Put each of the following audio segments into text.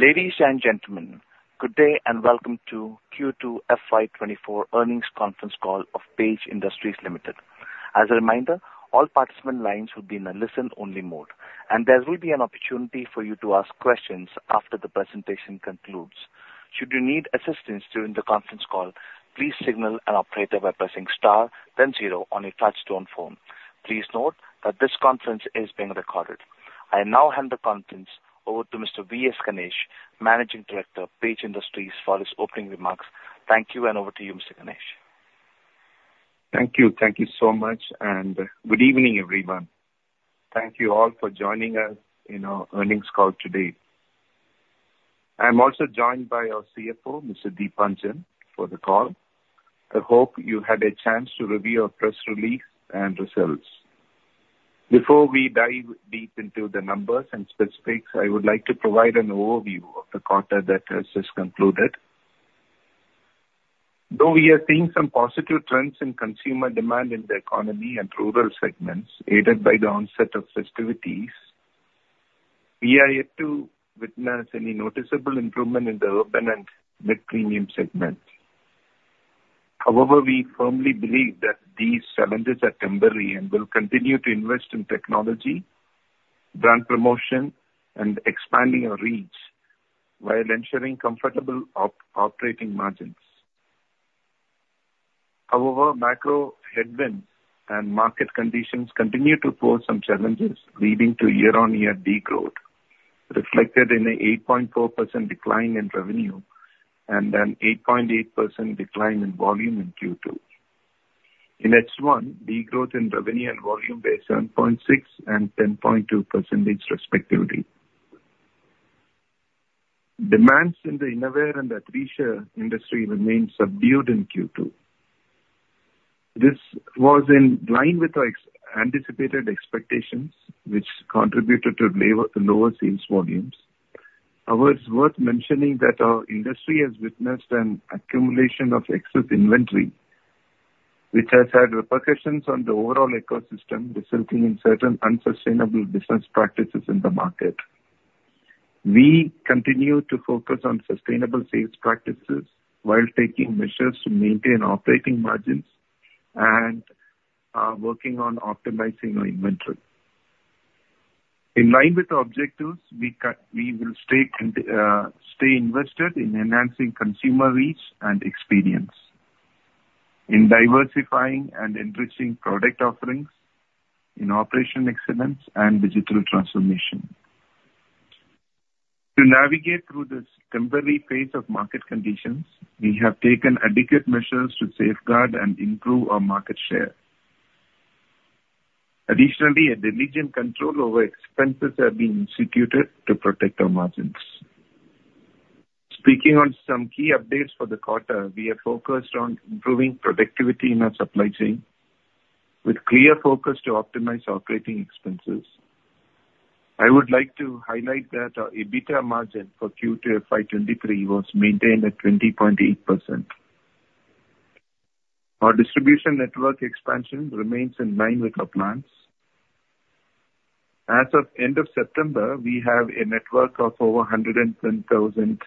Ladies and gentlemen, good day, and welcome to Q2 FY 2024 earnings conference call of Page Industries Limited. As a reminder, all participant lines will be in a listen-only mode, and there will be an opportunity for you to ask questions after the presentation concludes. Should you need assistance during the conference call, please signal an operator by pressing star then zero on your touchtone phone. Please note that this conference is being recorded. I now hand the conference over to Mr. V.S. Ganesh, Managing Director of Page Industries, for his opening remarks. Thank you, and over to you, Mr. Ganesh. Thank you. Thank you so much, and good evening, everyone. Thank you all for joining us in our earnings call today. I'm also joined by our CFO, Mr. Deepanjan, for the call. I hope you had a chance to review our press release and results. Before we dive deep into the numbers and specifics, I would like to provide an overview of the quarter that has just concluded. Though we are seeing some positive trends in consumer demand in the economy and rural segments, aided by the onset of festivities, we are yet to witness any noticeable improvement in the urban and mid-premium segment. However, we firmly believe that these challenges are temporary and will continue to invest in technology, brand promotion, and expanding our reach while ensuring comfortable operating margins. However, macro headwinds and market conditions continue to pose some challenges, leading to year-on-year decline, reflected in an 8.4% decline in revenue and an 8.8% decline in volume in Q2. In H1, decline in revenue and volume were 7.6% and 10.2%, respectively. Demand in the innerwear and athleisure industry remained subdued in Q2. This was in line with our ex-ante expectations, which contributed to lower, lower sales volumes. However, it's worth mentioning that our industry has witnessed an accumulation of excess inventory, which has had repercussions on the overall ecosystem, resulting in certain unsustainable business practices in the market. We continue to focus on sustainable sales practices while taking measures to maintain operating margins and working on optimizing our inventory. In line with the objectives, we will stay invested in enhancing consumer reach and experience, in diversifying and enriching product offerings, in operational excellence and digital transformation. To navigate through this temporary phase of market conditions, we have taken adequate measures to safeguard and improve our market share. Additionally, a diligent control over expenses have been instituted to protect our margins. Speaking on some key updates for the quarter, we are focused on improving productivity in our supply chain with clear focus to optimize operating expenses. I would like to highlight that our EBITDA margin for Q2 FY 2023 was maintained at 20.8%. Our distribution network expansion remains in line with our plans. As of end of September, we have a network of over 110,000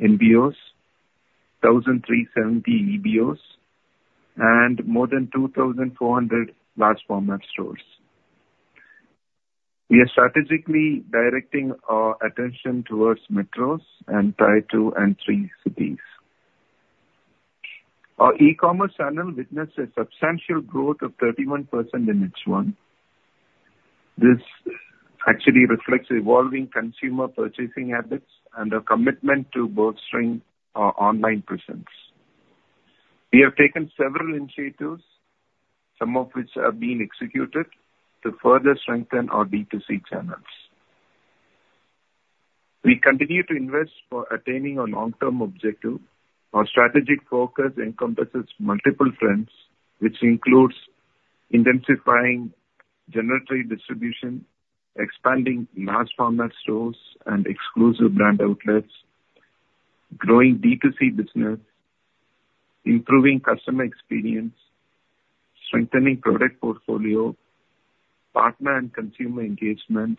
MBOs, 1,370 EBOs, and more than 2,400 large format stores. We are strategically directing our attention towards metros and Tier Two and Three cities. Our e-commerce channel witnessed a substantial growth of 31% in H1. This actually reflects evolving consumer purchasing habits and a commitment to bolstering our online presence. We have taken several initiatives, some of which are being executed, to further strengthen our B2C channels. We continue to invest for attaining our long-term objective. Our strategic focus encompasses multiple trends, which includes intensifying geography distribution, expanding mass format stores and exclusive brand outlets, growing B2C business, improving customer experience, strengthening product portfolio, partner and consumer engagement,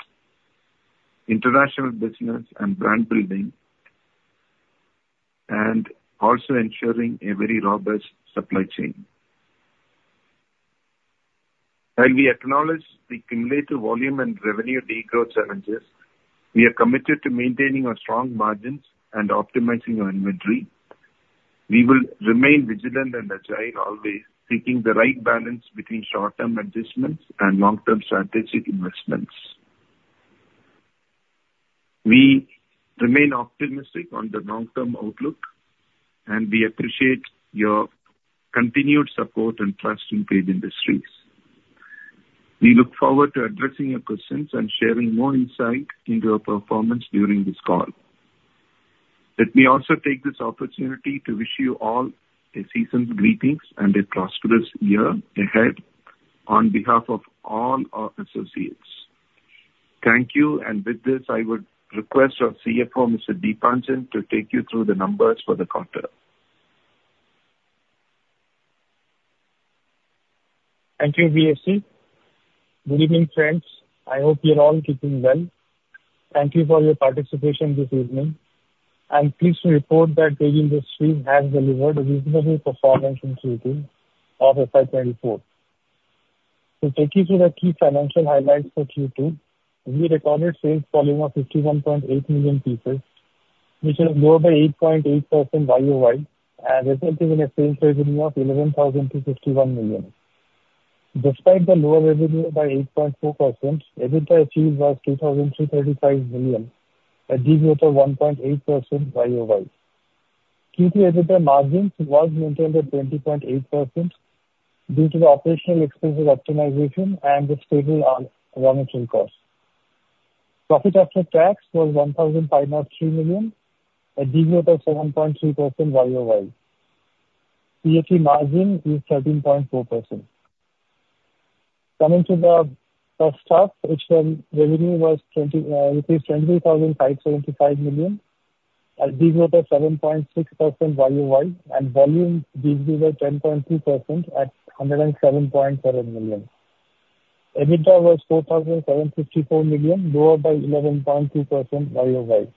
international business and brand building, and also ensuring a very robust supply chain. While we acknowledge the cumulative volume and revenue decline challenges, we are committed to maintaining our strong margins and optimizing our inventory. We will remain vigilant and agile, always seeking the right balance between short-term adjustments and long-term strategic investments. We remain optimistic on the long-term outlook, and we appreciate your continued support and trust in Page Industries. We look forward to addressing your questions and sharing more insight into our performance during this call. Let me also take this opportunity to wish you all a season's greetings and a prosperous year ahead on behalf of all our associates. Thank you. And with this, I would request our CFO, Mr. Deepanjan, to take you through the numbers for the quarter. Thank you, V.S. Ganesh. Good evening, friends. I hope you're all keeping well. Thank you for your participation this evening. I'm pleased to report that Page Industries has delivered a reasonable performance in Q2 of FY 2024. To take you through the key financial highlights for Q2, we recorded sales volume of 51.8 million pieces, which is lower by 8.8% YOY, and resulting in a sales revenue of 11,251 million. Despite the lower revenue by 8.2%, EBITDA achieved was 2,235 million, a decrease of 1.8% YOY. Q2 EBITDA margins was maintained at 20.8% due to the operational expenses optimization and the stable, raw material cost. Profit after tax was 1,503 million, a decrease of 7.3% YOY. PAT margin is 13.4%. Coming to the Innerwear revenue was INR 20,575 million, a decrease of 7.6% YOY, and volume decreased by 10.2% at 107.7 million. EBITDA was 4,754 million, lower by 11.2% YOY.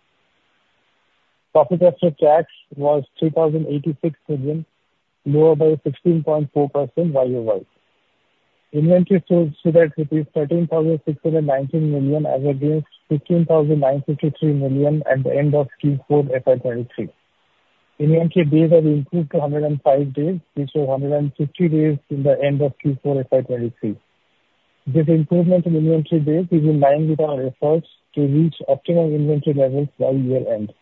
Profit after tax was 2,086 million, lower by 16.4% YOY. Inventory shows that it is INR 13,619 million, as against INR 16,953 million at the end of Q4 FY 2023. Inventory days have increased to 105 days, which were 150 days in the end of Q4 FY 2023. This improvement in inventory days is in line with our efforts to reach optimal inventory levels by year-end. Net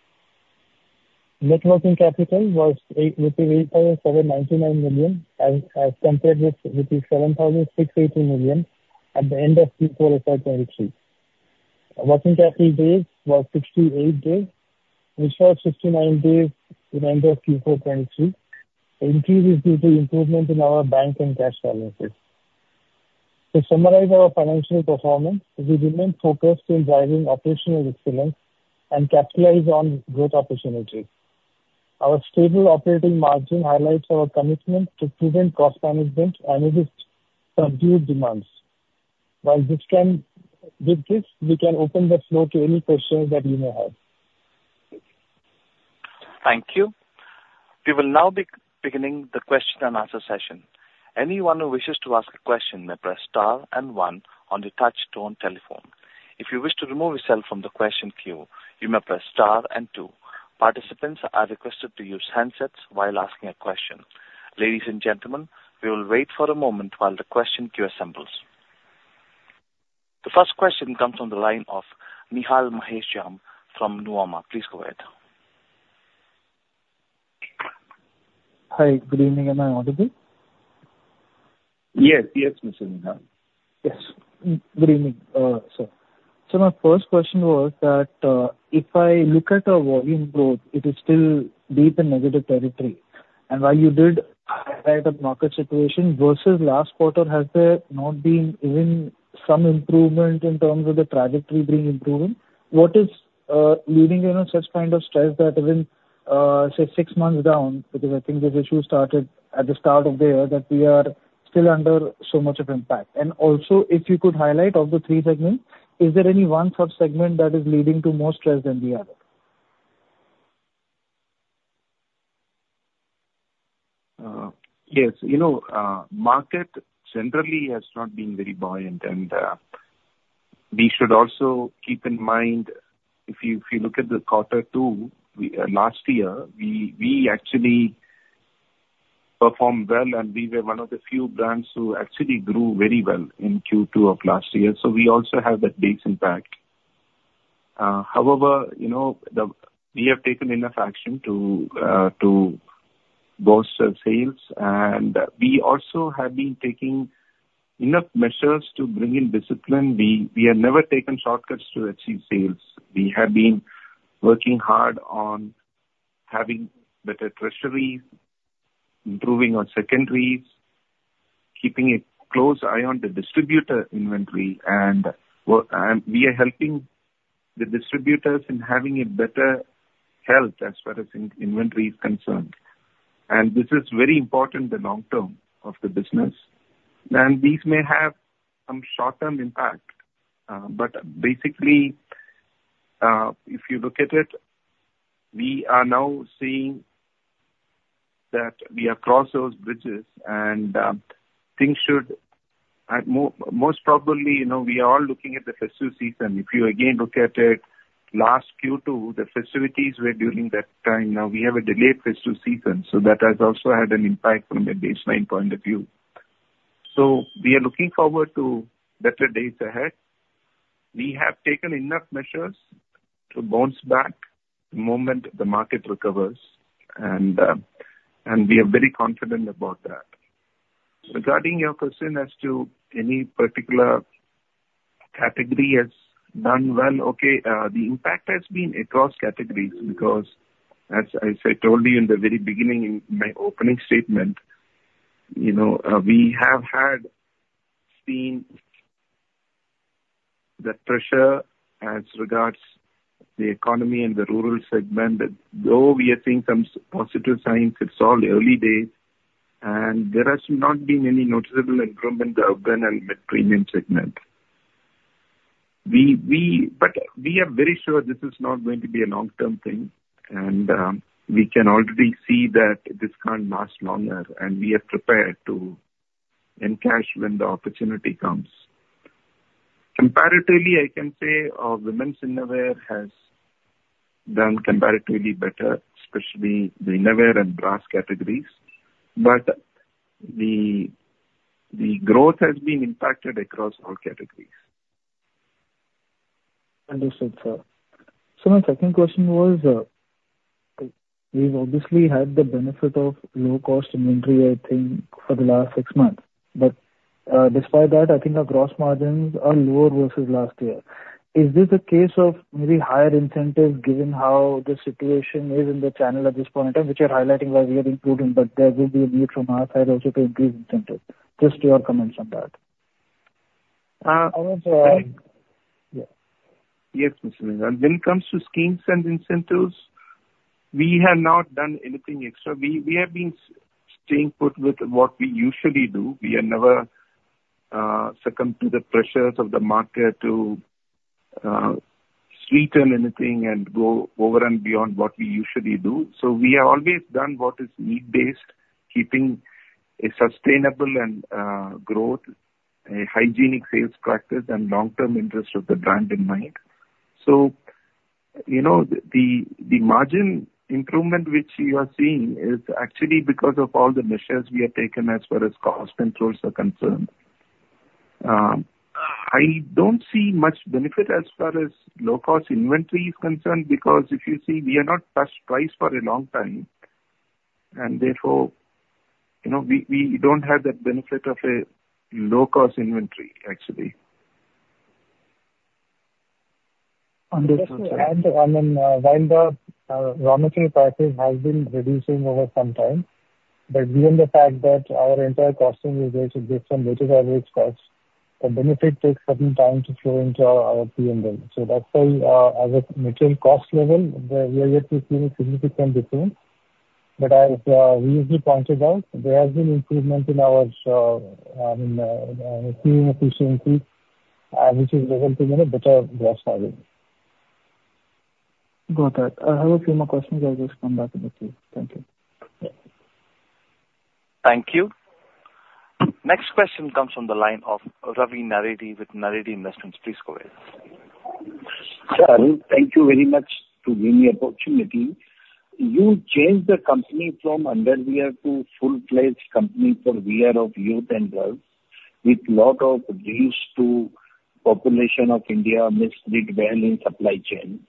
working capital was 8,799 million, as, as compared with 7,680 million at the end of Q4 FY 2023. Working capital days was 68 days, which was 69 days in the end of Q4 2023. Increase is due to improvement in our bank and cash balances. To summarize our financial performance, we remain focused in driving operational excellence and capitalize on growth opportunities. Our stable operating margin highlights our commitment to prudent cost management amid subdued demands. While this can-- With this, we can open the floor to any questions that you may have. Thank you. We will now be beginning the question and answer session. Anyone who wishes to ask a question may press star and one on the touchtone telephone. If you wish to remove yourself from the question queue, you may press star and two. Participants are requested to use handsets while asking a question. Ladies and gentlemen, we will wait for a moment while the question queue assembles. The first question comes on the line of Nihal Mahesh Jham from Nuvama. Please go ahead. Hi, good evening. Am I audible? Yes, yes, Mr. Nihal. Yes. Good evening, sir. So my first question was that, if I look at our volume growth, it is still deep in negative territory, and while you did highlight the market situation versus last quarter, has there not been even some improvement in terms of the trajectory being improving? What is leading you in such kind of stress that even, say six months down, because I think this issue started at the start of the year, that we are still under so much of impact. And also, if you could highlight of the three segments, is there any one such segment that is leading to more stress than the other? Yes, you know, market generally has not been very buoyant, and we should also keep in mind, if you look at quarter two, we last year, we actually performed well, and we were one of the few brands who actually grew very well in Q2 of last year, so we also have that base impact. However, you know, we have taken enough action to boost our sales, and we also have been taking enough measures to bring in discipline. We have never taken shortcuts to achieve sales. We have been working hard on having better tertiaries, improving on secondaries, keeping a close eye on the distributor inventory, and, well, we are helping the distributors in having a better health as far as in inventory is concerned. This is very important, the long term of the business. These may have some short-term impact, but basically, if you look at it, we are now seeing that we have crossed those bridges and, things should at most probably, you know, we are all looking at the festive season. If you again look at it, last Q2, the festivities were during that time. Now we have a delayed festive season, so that has also had an impact from a baseline point of view. So we are looking forward to better days ahead. We have taken enough measures to bounce back the moment the market recovers, and we are very confident about that. Regarding your question as to any particular category has done well, the impact has been across categories, because as I told you in the very beginning, in my opening statement, you know, the pressure as regards the economy and the rural segment, that though we are seeing some positive signs, it's all early days, and there has not been any noticeable improvement in the urban and mid-premium segment. But we are very sure this is not going to be a long-term thing, and we can already see that this can't last longer, and we are prepared to encash when the opportunity comes. Comparatively, I can say our women's innerwear has done comparatively better, especially the innerwear and bras categories, but the growth has been impacted across all categories. Understood, sir. So my second question was, we've obviously had the benefit of low-cost inventory, I think, for the last six months, but, despite that, I think our gross margins are lower versus last year. Is this a case of maybe higher incentives, given how the situation is in the channel at this point in time, which you're highlighting why we are improving, but there will be a need from our side also to improve incentives? Just your comments on that. I want to- Yes, when it comes to schemes and incentives, we have not done anything extra. We have been staying put with what we usually do. We have never succumbed to the pressures of the market to sweeten anything and go over and beyond what we usually do. So we have always done what is need-based, keeping a sustainable and growth, a hygienic sales practice, and long-term interest of the brand in mind. So, you know, the margin improvement which you are seeing is actually because of all the measures we have taken as far as cost controls are concerned. I don't see much benefit as far as low-cost inventory is concerned, because if you see, we are not priced twice for a long time, and therefore, you know, we don't have that benefit of a low-cost inventory, actually. Understood, sir. I mean, while the raw material prices has been reducing over some time, but given the fact that our entire costing is based on weighted average cost, the benefit takes some time to flow into our PNL. So that's why, as a material cost level, we are yet to see a significant difference. But as we usually pointed out, there has been improvement in our, I mean, efficiency, and which is resulting in a better gross margin. Got that. I have a few more questions. I'll just come back to you. Thank you. Thank you. Next question comes from the line of Ravi Naredi with Naredi Investments. Please go ahead. Thank you very much to give me opportunity. You changed the company from underwear to full-fledged company for wear of youth and girls, with lot of deals to population of India, mostly well in supply chain.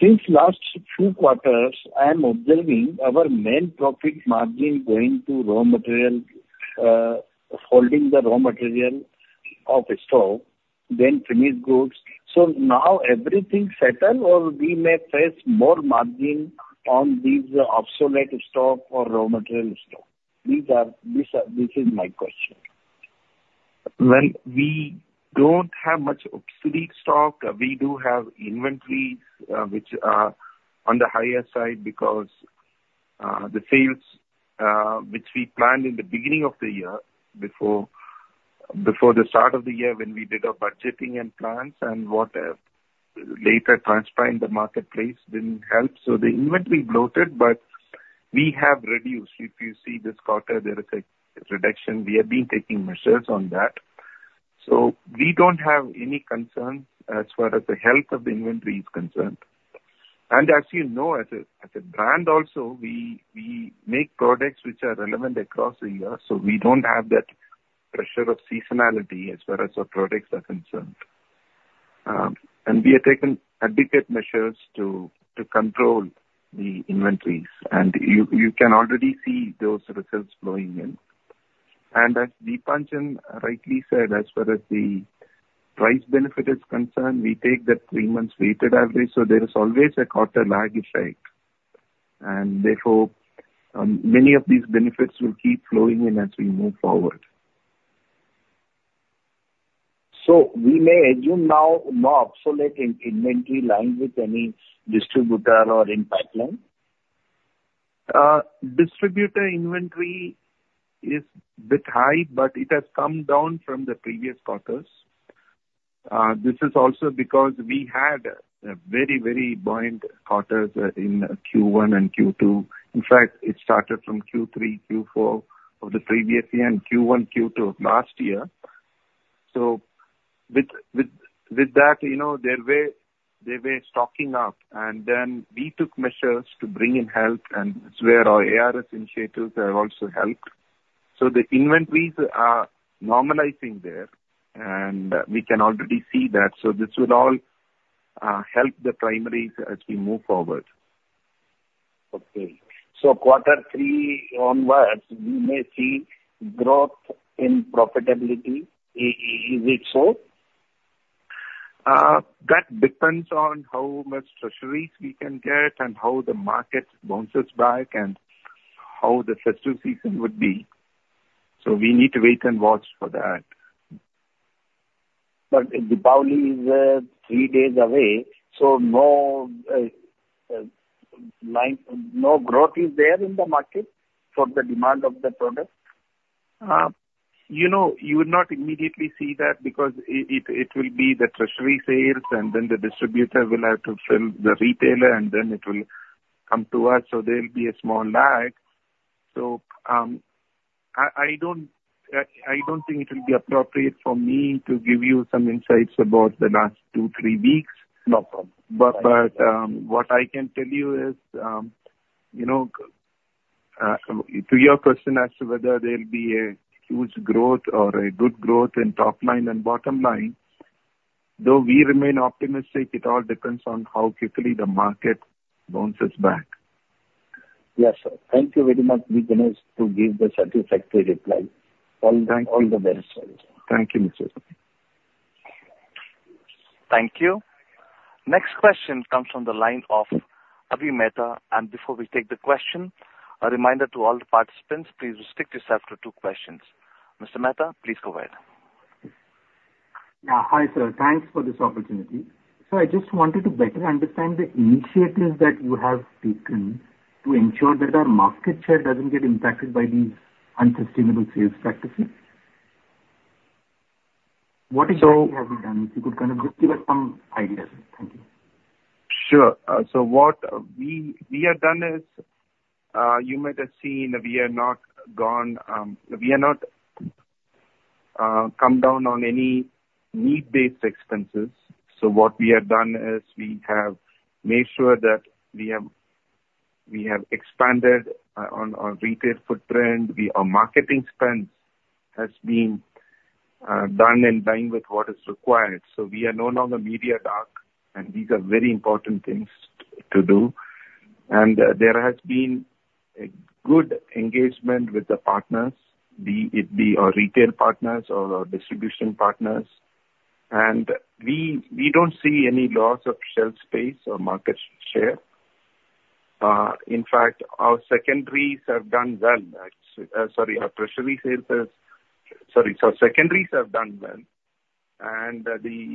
Since last few quarters, I am observing our main profit margin going to raw material, holding the raw material of stock, then finished goods. So now everything settle, or we may face more margin on these obsolete stock or raw material stock? This, this is my question. Well, we don't have much obsolete stock. We do have inventories, which are on the higher side because the sales, which we planned in the beginning of the year, before the start of the year when we did our budgeting and plans and what later transpired in the marketplace didn't help. So the inventory bloated, but we have reduced. If you see this quarter, there is a reduction. We have been taking measures on that. So we don't have any concerns as far as the health of the inventory is concerned. And as you know, as a brand also, we make products which are relevant across the year, so we don't have that pressure of seasonality as far as our products are concerned. We have taken adequate measures to control the inventories, and you can already see those results flowing in. As Deepanjan rightly said, as far as the price benefit is concerned, we take the three months weighted average, so there is always a quarter lag effect, and therefore, many of these benefits will keep flowing in as we move forward. So, we may assume now no obsolete in inventory, in line with any distributor or in pipeline? Distributor inventory is a bit high, but it has come down from the previous quarters. This is also because we had a very, very buoyant quarters in Q1 and Q2. In fact, it started from Q3, Q4 of the previous year and Q1, Q2 last year. So with that, you know, they were stocking up, and then we took measures to bring in help, and that's where our ARS initiatives have also helped. So the inventories are normalizing there, and we can already see that. So this would all help the primaries as we move forward. Okay. So quarter three onwards, we may see growth in profitability. Is it so? That depends on how much tertiaries we can get, and how the market bounces back, and how the festival season would be. So we need to wait and watch for that. But Diwali is three days away, so no line, no growth is there in the market for the demand of the product? You know, you would not immediately see that because it will be the treasury sales, and then the distributor will have to fill the retailer, and then it will come to us, so there'll be a small lag. So, I don't think it will be appropriate for me to give you some insights about the last 2, 3 weeks. No problem. But what I can tell you is, you know, to your question as to whether there'll be a huge growth or a good growth in top line and bottom line, though we remain optimistic, it all depends on how quickly the market bounces back. Yes, sir. Thank you very much, Ganesh, to give the satisfactory reply. Thank you. All the best, sir. Thank you, Mr. Thank you. Next question comes from the line of Avi Mehta. Before we take the question, a reminder to all the participants, please restrict yourself to two questions. Mr. Mehta, please go ahead. Yeah. Hi, sir. Thanks for this opportunity. So I just wanted to better understand the initiatives that you have taken to ensure that our market share doesn't get impacted by these unsustainable sales practices. What exactly have you done? If you could kind of give us some ideas. Thank you. Sure. So what we have done is, you might have seen we have not gone, we have not come down on any need-based expenses. So what we have done is we have made sure that we have, we have expanded on our retail footprint. Our marketing spend has been done in line with what is required. So we are no longer media dark, and these are very important things to do. And there has been a good engagement with the partners, be it our retail partners or our distribution partners. And we don't see any loss of shelf space or market share. In fact, our secondaries have done well. Sorry, our tertiary sales, sorry, so secondaries have done well, and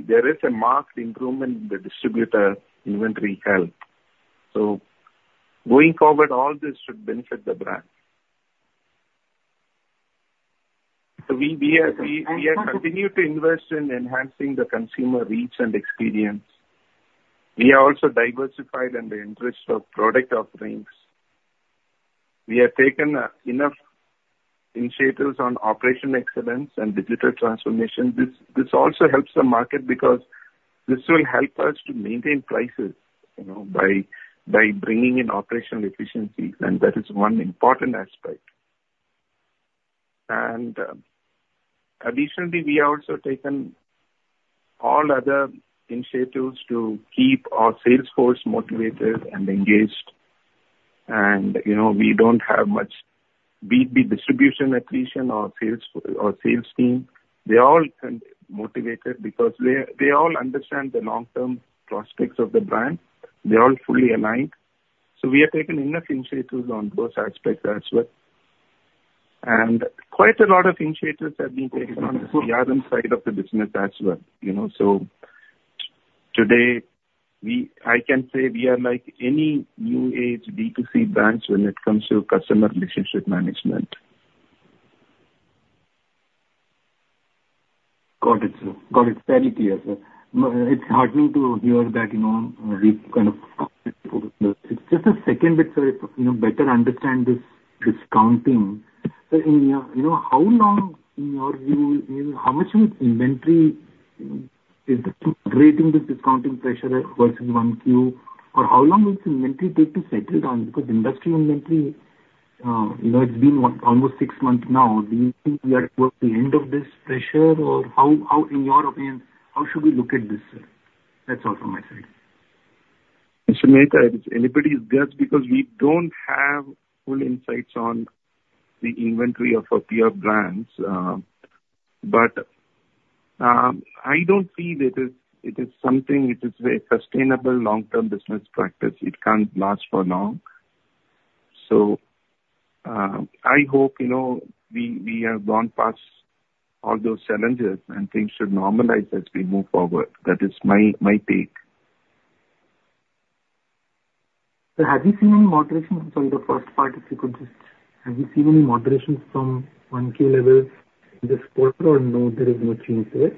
there is a marked improvement in the distributor inventory health. So going forward, all this should benefit the brand. So we are continuing to invest in enhancing the consumer reach and experience. We are also diversified in the interest of product offerings. We have taken enough initiatives on operational excellence and digital transformation. This also helps the market because this will help us to maintain prices, you know, by bringing in operational efficiencies, and that is one important aspect. And additionally, we have also taken all other initiatives to keep our sales force motivated and engaged. And, you know, we don't have much B2B distribution attrition or sales team. They're all motivated because they all understand the long-term prospects of the brand. They're all fully aligned. So we have taken enough initiatives on those aspects as well. Quite a lot of initiatives have been taken on the garment side of the business as well, you know. Today, we... I can say we are like any new age B2C brands when it comes to customer relationship management. Got it, sir. Got it. Very clear, sir. No, it's heartening to hear that, you know, we kind of... It's just a second bit, sir, you know, better understand this discounting. So in, you know, how long in your view, you know, how much of inventory is degrading the discounting pressure versus one Q? Or how long will this inventory take to settle down? Because industry inventory, you know, it's been what, almost six months now. Do you think we are towards the end of this pressure, or how, how, in your opinion, how should we look at this, sir? That's all from my side. Mr. Mehta, it's anybody's guess because we don't have full insights on the inventory of our peer brands. But I don't feel it is a sustainable long-term business practice. It can't last for long. So, I hope, you know, we have gone past all those challenges, and things should normalize as we move forward. That is my take. So, have you seen any moderation from the first part, if you could just... Have you seen any moderation from 1Q levels in this quarter, or no, there is no change there?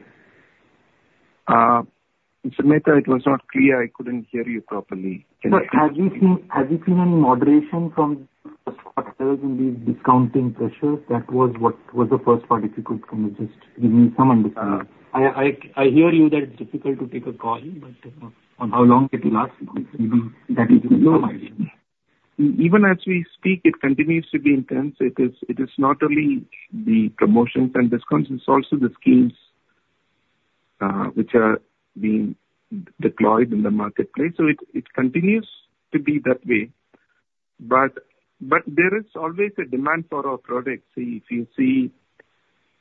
Mr. Mehta, it was not clear. I couldn't hear you properly. But have you seen, have you seen any moderation from the first quarter in the discounting pressure? That was what, was the first part, if you could kind of just give me some understanding. I hear you that it's difficult to take a call, but, on how long it will last, maybe that is your mind. Even as we speak, it continues to be intense. It is not only the promotions and discounts, it's also the schemes which are being deployed in the marketplace. So it continues to be that way. But there is always a demand for our products. If you see,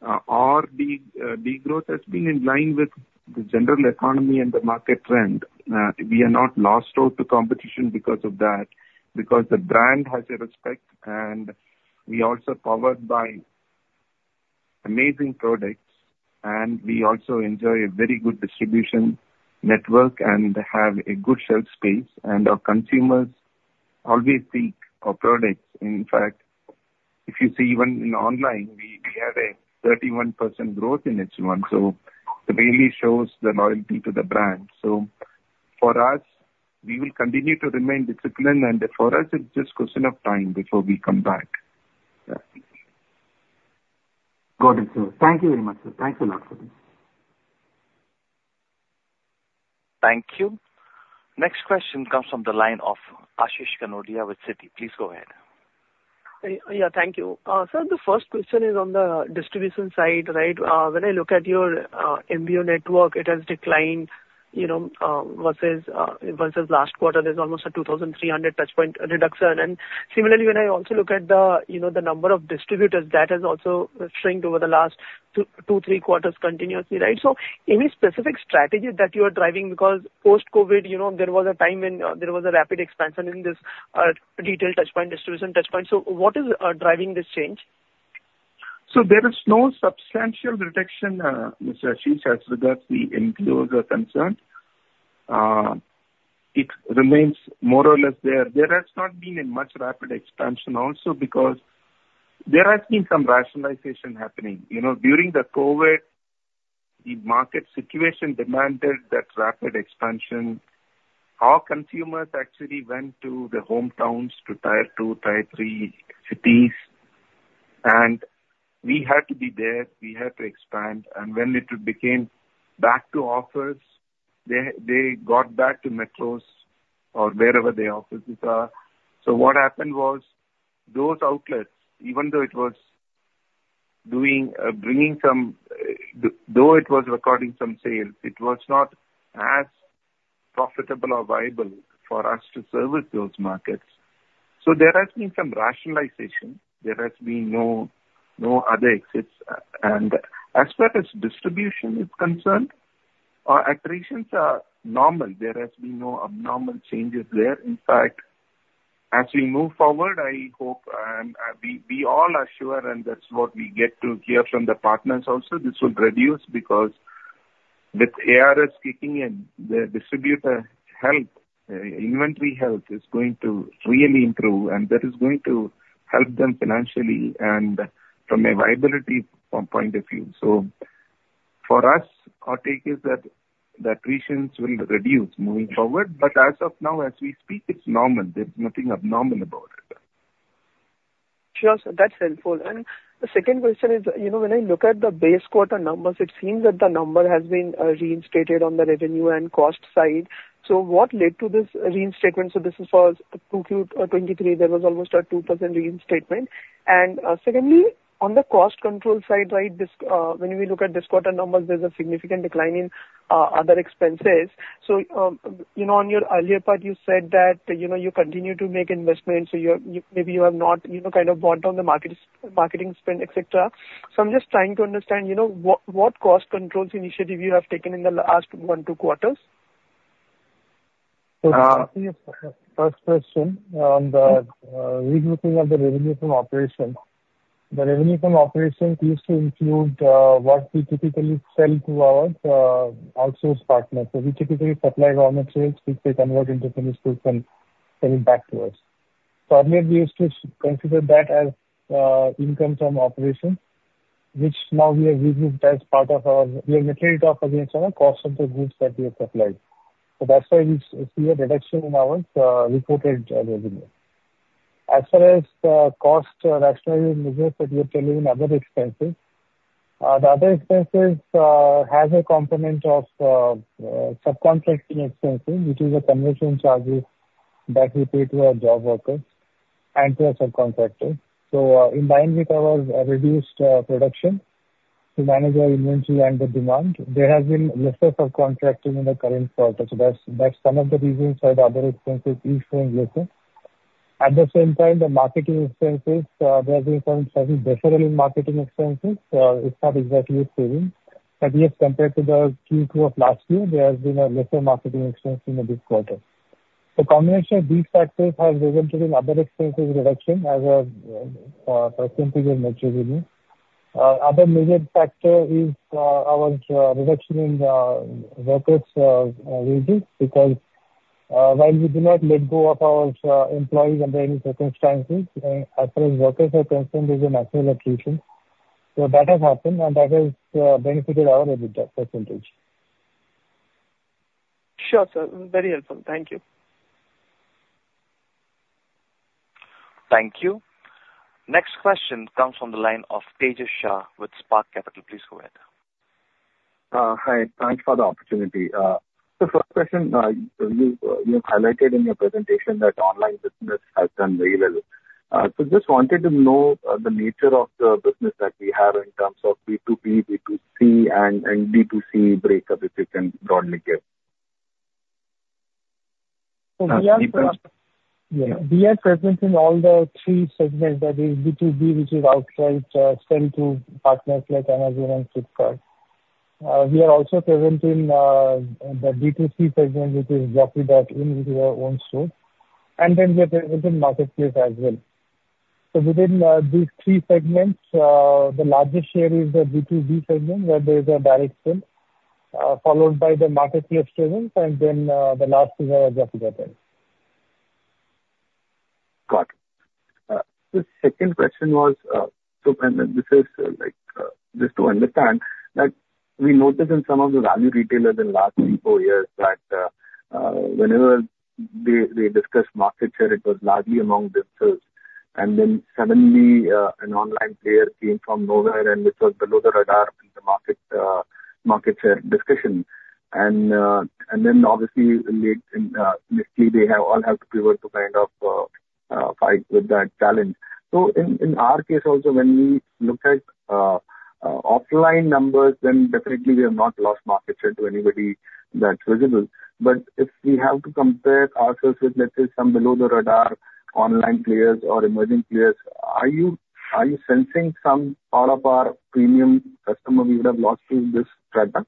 our degrowth has been in line with the general economy and the market trend. We are not lost out to competition because of that, because the brand has a respect, and we also powered by amazing products, and we also enjoy a very good distribution network and have a good shelf space, and our consumers always seek our products. In fact, if you see even in online, we have a 31% growth in H1, so it really shows the loyalty to the brand. For us, we will continue to remain disciplined, and for us it's just question of time before we come back. Got it, sir. Thank you very much, sir. Thanks a lot for this. Thank you. Next question comes from the line of Ashish Kanodia with Citi. Please go ahead. Yeah, thank you. Sir, the first question is on the distribution side, right? When I look at your MBO network, it has declined, you know, versus last quarter, there's almost a 2,300 touchpoint reduction. And similarly, when I also look at the, you know, the number of distributors, that has also shrunk over the last two, three quarters continuously, right? So any specific strategy that you are driving? Because post-COVID, you know, there was a time when there was a rapid expansion in this retail touchpoint, distribution touchpoint, so what is driving this change? So there is no substantial reduction, Mr. Ashish, as regards the MBOs are concerned. It remains more or less there. There has not been a much rapid expansion also because there has been some rationalization happening. You know, during the COVID, the market situation demanded that rapid expansion. Our consumers actually went to their hometowns to tier two, tier three cities, and we had to be there, we had to expand. And when it became back to office, they, they got back to metros or wherever their offices are. So what happened was, those outlets, even though it was recording some sales, it was not as profitable or viable for us to service those markets. So there has been some rationalization. There has been no, no other exits. And as far as distribution is concerned, our attritions are normal. There has been no abnormal changes there. In fact, as we move forward, I hope, and, we all are sure, and that's what we get to hear from the partners also, this will reduce because with ARS kicking in, the distributor health, inventory health is going to really improve, and that is going to help them financially and from a viability point of view. So for us, our take is that the attritions will reduce moving forward, but as of now, as we speak, it's normal. There's nothing abnormal about it. Sure, sir. That's helpful. And the second question is, you know, when I look at the base quarter numbers, it seems that the number has been restated on the revenue and cost side. So what led to this reinstatement? So this is for Q2 2023, there was almost a 2% reinstatement. And secondly, on the cost control side, right, this when we look at this quarter numbers, there's a significant decline in other expenses. So you know, on your earlier part, you said that, you know, you continue to make investments, so you're, maybe you have not, you know, kind of brought down the marketing spend, et cetera. So I'm just trying to understand, you know, what cost controls initiative you have taken in the last one, two quarters? First question on the regrouping of the revenue from operation. The revenue from operation used to include what we typically sell to our outsource partners. So we typically supply raw materials, which they convert into finished goods and sell it back to us. So earlier, we used to consider that as income from operation, which now we have regrouped as part of our... We literally knock against our cost of the goods that we have supplied. So that's why we see a reduction in our reported revenue. As far as the cost rationalization measures that we have tell you in other expenses, the other expenses has a component of subcontracting expenses, which is a commission charges that we pay to our job workers and to our subcontractors. So, in line with our reduced production, to manage our inventory and the demand, there has been lesser subcontracting in the current quarter. So that's some of the reasons why the other expenses is showing lesser. At the same time, the marketing expenses, there have been some several in marketing expenses. It's not exactly the same, but yes, compared to the Q2 of last year, there has been a lesser marketing expense in this quarter. So combination of these factors have resulted in other expenses reduction as a percentage of net revenue. Other major factor is our reduction in workers wages, because while we do not let go of our employees under any circumstances, as far as workers are concerned, there's a natural attrition. So that has happened, and that has benefited our EBITDA percentage. Sure, sir. Very helpful. Thank you. Thank you. Next question comes from the line of Tejas Shah with Spark Capital. Please go ahead. Hi. Thanks for the opportunity. The first question, you have highlighted in your presentation that online business has done very well. So just wanted to know, the nature of the business that we have in terms of B2B, B2C, and D2C breakup, if you can broadly give?... So we are, yeah, we are present in all the three segments that is B2B, which is outright sell to partners like Amazon and Flipkart. We are also present in the B2C segment, which is jockey.in, which is our own store, and then we are present in marketplace as well. So within these three segments, the largest share is the B2B segment, where there is a direct sale, followed by the marketplace segment, and then the last is jockey.in. Got it. The second question was, so and then this is, like, just to understand, like, we noticed in some of the value retailers in the last 3-4 years that, whenever they discuss market share, it was largely among themselves. And then suddenly, an online player came from nowhere, and it was below the radar in the market share discussion. And then obviously, lately, lastly, they all have to pivot to kind of fight with that challenge. So in our case also, when we look at offline numbers, then definitely we have not lost market share to anybody that's visible. But if we have to compare ourselves with, let's say, some below-the-radar online players or emerging players, are you, are you sensing some part of our premium customer we would have lost in this segment?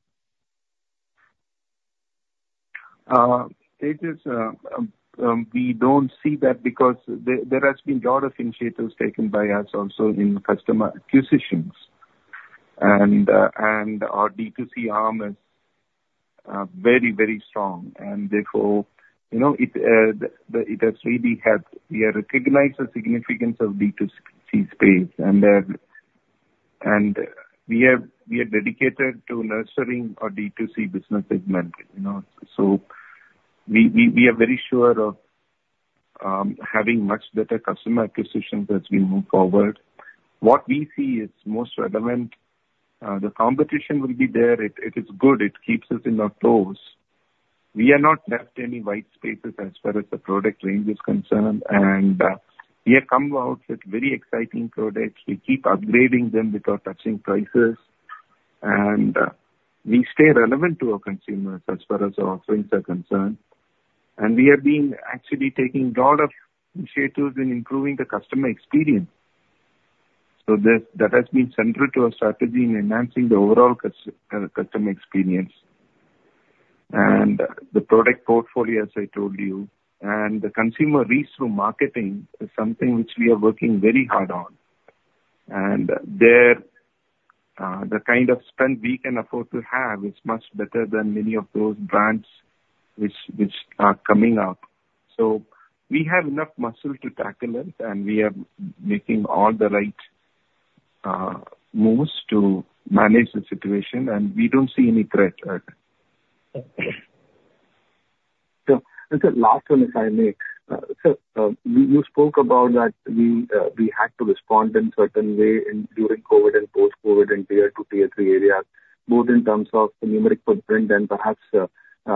Tejas, we don't see that because there, there has been lot of initiatives taken by us also in customer acquisitions. And, and our D2C arm is, very, very strong, and therefore, you know, it has really helped. We have recognized the significance of D2C space, and, and we have, we are dedicated to nurturing our D2C business segment, you know. So we, we, we are very sure of, having much better customer acquisitions as we move forward. What we see is most relevant, the competition will be there. It, it is good. It keeps us in our toes. We are not left any white spaces as far as the product range is concerned, and, we have come out with very exciting products. We keep upgrading them without touching prices, and we stay relevant to our consumers as far as the offerings are concerned. And we have been actually taking lot of initiatives in improving the customer experience. So this, that has been central to our strategy in enhancing the overall customer experience. And the product portfolio, as I told you, and the consumer reach through marketing is something which we are working very hard on. And there the kind of spend we can afford to have is much better than many of those brands which are coming up. So we have enough muscle to tackle it, and we are making all the right moves to manage the situation, and we don't see any threat there. So the last one, if I may. Sir, you spoke about that we had to respond in certain way during COVID and post-COVID in tier two, tier three areas, both in terms of the numeric footprint and perhaps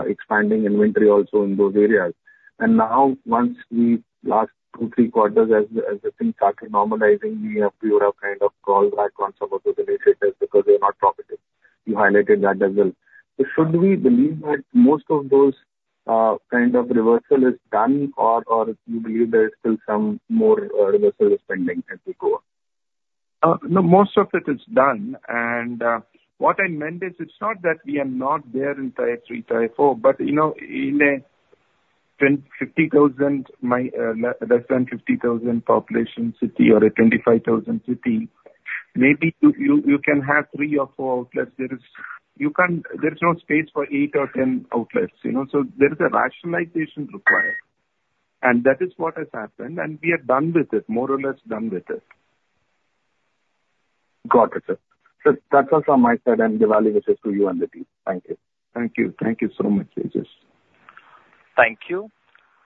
expanding inventory also in those areas. And now, once we last two, three quarters as the things started normalizing, we have to have kind of call back on some of those initiatives because they are not profitable. You highlighted that as well. So should we believe that most of those kind of reversal is done, or you believe there is still some more reversal is pending as we go? No, most of it is done. And what I meant is, it's not that we are not there in Tier 3, Tier 4, but you know, in a 10-50 thousand less than 50,000 population city or a 25,000 city, maybe you can have three or four outlets. You can't. There is no space for eight or 10 outlets, you know? So there is a rationalization required, and that is what has happened. And we are done with it, more or less done with it. Got it, sir. That's all from my side, and Diwali wishes to you and the team. Thank you. Thank you. Thank you so much, Tejas. Thank you.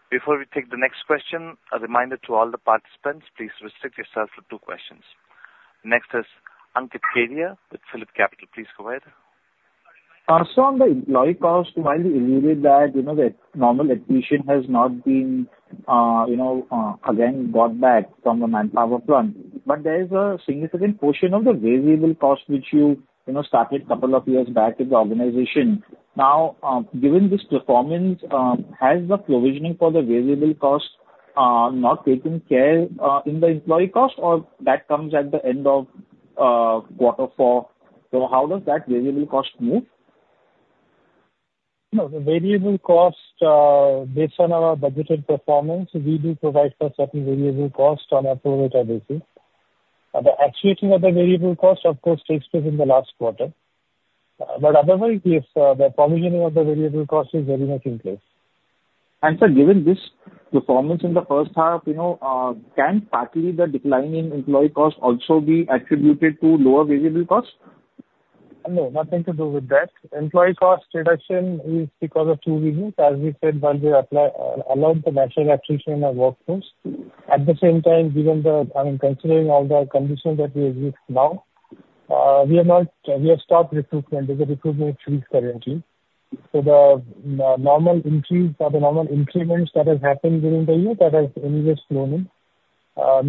Before we take the next question, a reminder to all the participants, please restrict yourselves to two questions. Next is Ankit Kedia with PhillipCapital. Please go ahead. So on the employee cost, while you indicated that, you know, the normal attrition has not been, you know, again, got back from a manpower front, but there is a significant portion of the variable cost which you, you know, started couple of years back in the organization. Now, given this performance, has the provisioning for the variable cost, not taken care, in the employee cost, or that comes at the end of, quarter four? So how does that variable cost move? No, the variable cost, based on our budgeted performance, we do provide for certain variable cost on a pro rata basis. The actuating of the variable cost, of course, takes place in the last quarter. But otherwise, yes, the provisioning of the variable cost is very much in place. Sir, given this performance in the first half, you know, can partly the decline in employee cost also be attributed to lower variable cost? No, nothing to do with that. Employee cost reduction is because of two reasons. As we said, one, we allowed the natural attrition in our workforce. At the same time, given the, I mean, considering all the conditions that we exist now, we are not, we have stopped recruitment. The recruitment freeze currently. So the normal increase or the normal increments that has happened during the year that has anyways flown in.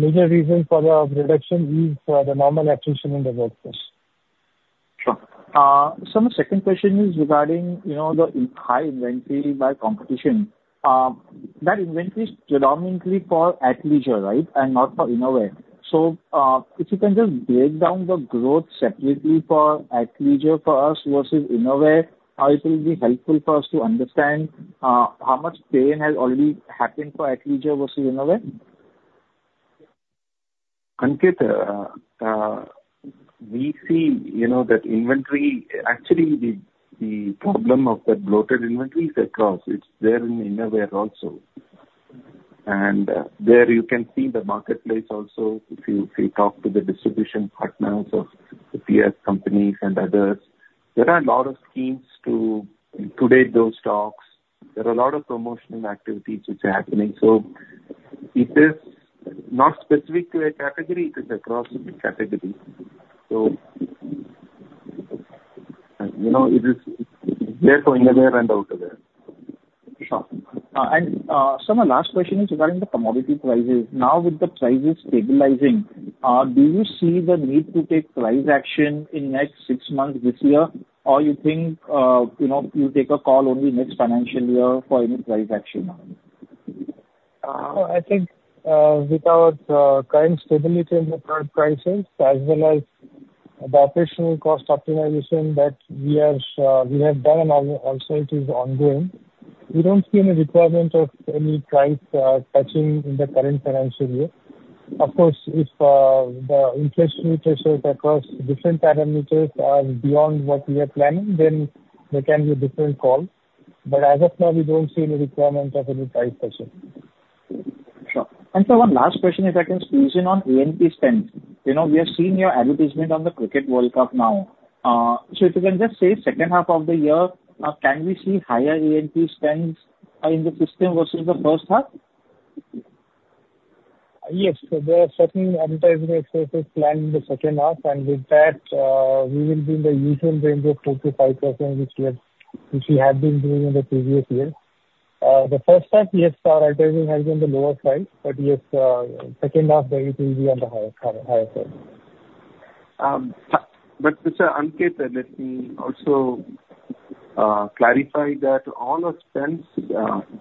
Major reason for the reduction is the normal attrition in the workforce. ... Sure. So my second question is regarding, you know, the high inventory by competition. That inventory is predominantly for Athleisure, right, and not for Innerwear. So, if you can just break down the growth separately for Athleisure for us versus Innerwear, how it will be helpful for us to understand how much pain has already happened for Athleisure versus Innerwear? Ankit, we see, you know, that inventory. Actually, the problem of that bloated inventory is across. It is there in Innerwear also. And there you can see the marketplace also. If you talk to the distribution partners of the peers companies and others, there are a lot of schemes to liquidate those stocks. There are a lot of promotional activities which are happening. So it is not specific to a category. It is across the category. So, you know, it is there for Innerwear and Outerwear. Sure. And, sir, my last question is regarding the commodity prices. Now, with the prices stabilizing, do you see the need to take price action in next six months this year? Or you think, you know, you take a call only next financial year for any price action on it? I think, with our current stability in the current prices as well as the operational cost optimization that we are, we have done and also it is ongoing, we don't see any requirement of any price touching in the current financial year. Of course, if the inflationary pressures across different parameters are beyond what we are planning, then there can be a different call. But as of now, we don't see any requirement of any price pressure. Sure. And so one last question, if I can squeeze in on A&P spends. You know, we have seen your advertisement on the Cricket World Cup now. So if you can just say, second half of the year, can we see higher A&P spends in the system versus the first half? Yes. There are certain advertising expenses planned in the second half, and with that, we will be in the usual range of 2%-5%, which we have, which we have been doing in the previous years. The first half, yes, our advertising has been on the lower side, but yes, second half, there it will be on the higher, higher side. But Mr. Ankit, let me also clarify that all our spends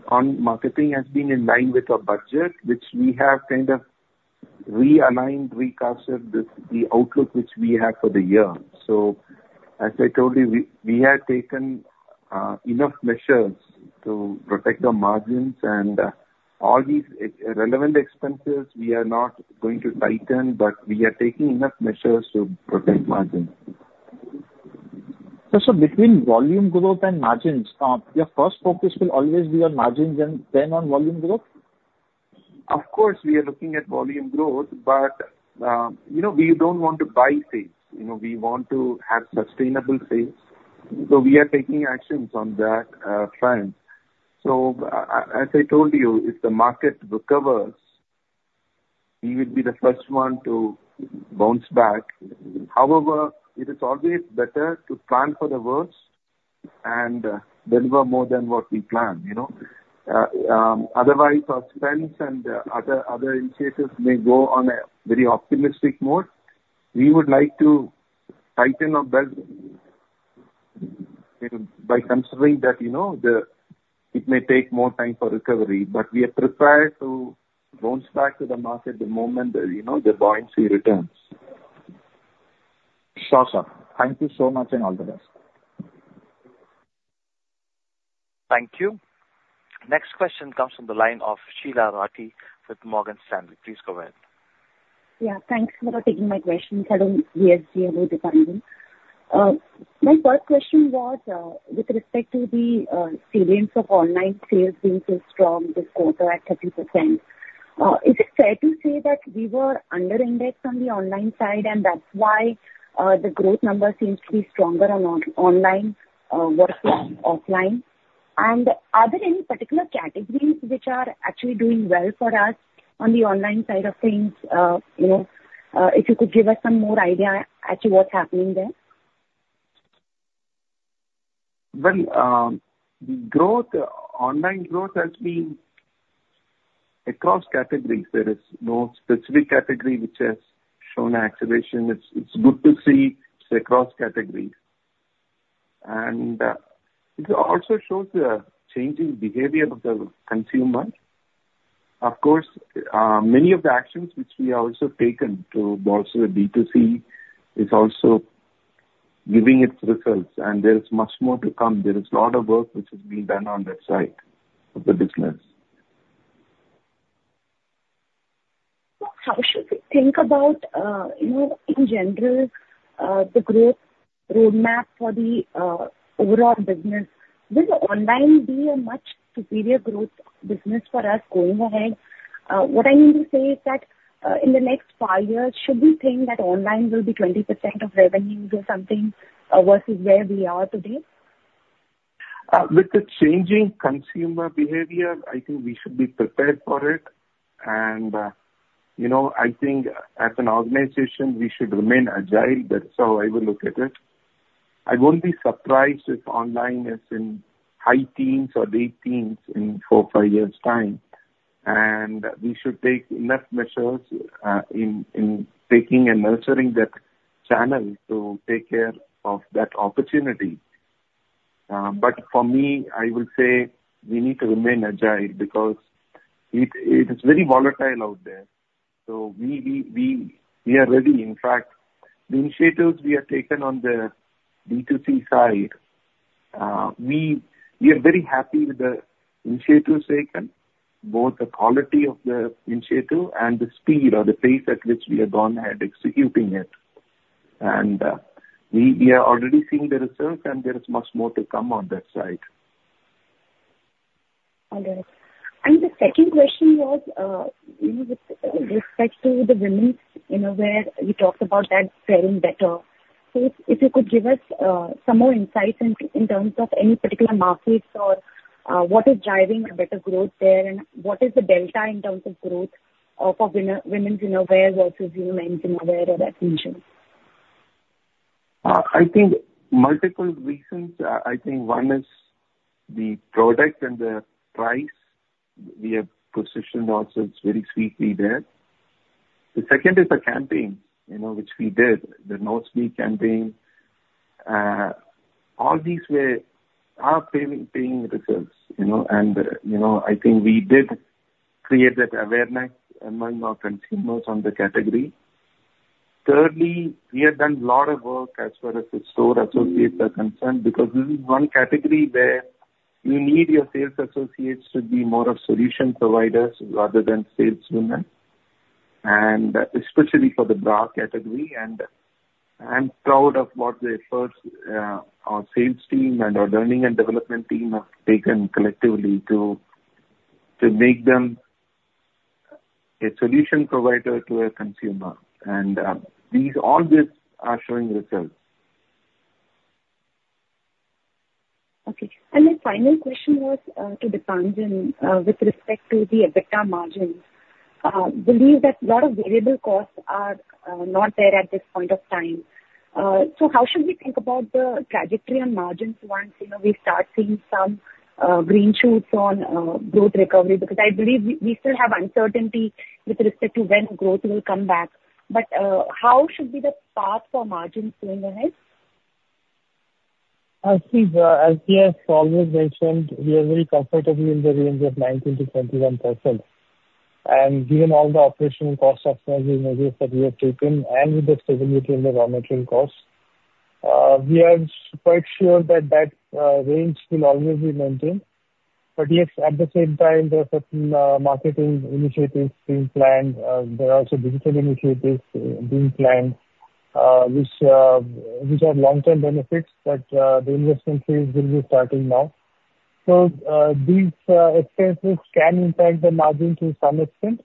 on marketing has been in line with our budget, which we have kind of realigned, recalibrated the outlook which we have for the year. So as I told you, we have taken enough measures to protect the margins and all these relevant expenses, we are not going to tighten, but we are taking enough measures to protect margins. So, between volume growth and margins, your first focus will always be on margins and then on volume growth? Of course, we are looking at volume growth, but you know, we don't want to buy sales. You know, we want to have sustainable sales. So we are taking actions on that front. So as I told you, if the market recovers, we will be the first one to bounce back. However, it is always better to plan for the worst and deliver more than what we plan, you know? Otherwise, our spends and other initiatives may go on a very optimistic mode. We would like to tighten our belt, you know, by considering that you know, it may take more time for recovery, but we are prepared to bounce back to the market the moment, you know, the buoyancy returns. Sure, sir. Thank you so much, and all the best. Thank you. Next question comes from the line of Sheela Rathi with Morgan Stanley. Please go ahead. Yeah, thanks for taking my questions. Hello, V.S. Ganesh. Hello, Deepanjan. My first question was, with respect to the cadence of online sales being so strong this quarter at 30%. Is it fair to say that we were under indexed on the online side, and that's why the growth number seems to be stronger on online versus offline? And are there any particular categories which are actually doing well for us on the online side of things? You know, if you could give us some more idea actually what's happening there. Well, growth, online growth has been across categories. There is no specific category which has shown acceleration. It's, it's good to see it's across categories. It also shows the changing behavior of the consumer. Of course, many of the actions which we have also taken to bolster the B2C is also giving its results, and there is much more to come. There is a lot of work which is being done on that side of the business. How should we think about, you know, in general, the growth roadmap for the overall business? Will the online be a much superior growth business for us going ahead? What I mean to say is that, in the next five years, should we think that online will be 20% of revenues or something, versus where we are today? With the changing consumer behavior, I think we should be prepared for it. You know, I think as an organization, we should remain agile. That's how I would look at it. I won't be surprised if online is in high teens or late teens in 4 or 5 years' time... and we should take enough measures in taking and nurturing that channel to take care of that opportunity. But for me, I will say we need to remain agile because it is very volatile out there. So we are ready. In fact, the initiatives we have taken on the B2C side, we are very happy with the initiatives taken, both the quality of the initiative and the speed or the pace at which we have gone ahead executing it. We are already seeing the results, and there is much more to come on that side. Understood. The second question was, with respect to the women's, you know, where we talked about that selling better. So if you could give us some more insight in terms of any particular markets or what is driving a better growth there, and what is the delta in terms of growth of women's innerwear versus men's innerwear or athleisure? I think multiple reasons. I think one is the product and the price we have positioned ourselves very sweetly there. The second is the campaign, you know, which we did, the Knows Me campaign. All these are paying results, you know, and, you know, I think we did create that awareness among our consumers on the category. Thirdly, we have done a lot of work as far as the store associates are concerned, because this is one category where you need your sales associates to be more of solution providers rather than salesmen, and especially for the bra category. And I'm proud of what the efforts, our sales team and our learning and development team have taken collectively to make them a solution provider to a consumer. And these all these are showing results. Okay. And my final question was to Deepanjan with respect to the EBITDA margins. I believe that a lot of variable costs are not there at this point of time. So how should we think about the trajectory on margins once, you know, we start seeing some green shoots on growth recovery? Because I believe we, we still have uncertainty with respect to when growth will come back. But how should be the path for margins going ahead? As we have always mentioned, we are very comfortably in the range of 19%-21%. Given all the operational cost optimization measures that we have taken and with the stability in the raw material costs, we are quite sure that range will always be maintained. But yes, at the same time, there are certain marketing initiatives being planned. There are also digital initiatives being planned, which have long-term benefits, but the investment phase will be starting now. So, these expenses can impact the margin to some extent.